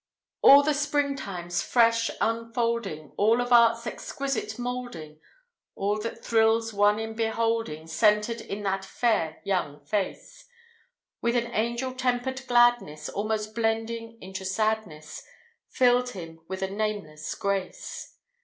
All the spring time's fresh unfolding, All of Art's exquisite moulding, All that thrills one in beholding, Centred in that fair young face; While an angel tempered gladness, Almost blending into sadness, Filled him with a nameless grace.